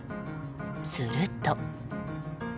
すると。